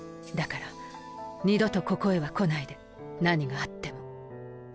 だから二度とここへは来ないで何があっても。